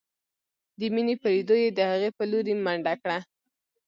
د مينې په ليدو يې د هغې په لورې منډه کړه.